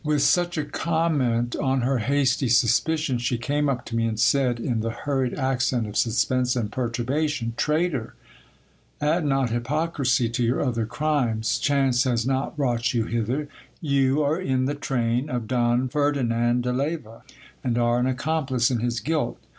With such a comment on her hasty suspicions, she came up to me and said, in the hurried accent of suspense and perturbation : Traitor ! add not hypocrisy to your other crimes. Chance has not brought you hither. You are in the train of Don Ferdinand de Leyva, and are an accomplice in his guilt.